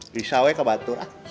bisa weh kebantuan